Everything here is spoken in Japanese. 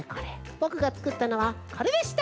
ぼくがつくったのはこれでした！